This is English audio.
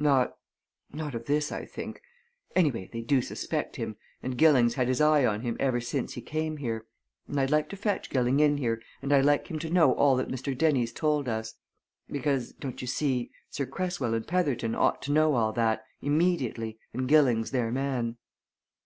Not not of this, I think. Anyway, they do suspect him, and Gilling's had his eye on him ever since he came here. And I'd like to fetch Gilling in here, and I'd like him to know all that Mr. Dennie's told us. Because, don't you see, Sir Cresswell and Petherton ought to know all that, immediately, and Gilling's their man."